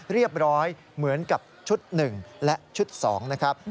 เรียบร้อยเหมือนกับชุด๑และชุด๒นะครับ